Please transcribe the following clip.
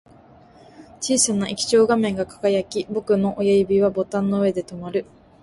小さな液晶画面が輝き、僕の親指はボタンの上で止まる